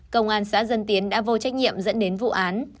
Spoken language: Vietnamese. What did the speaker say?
công an xã dân tiến đã vô trách nhiệm dẫn đến vụ án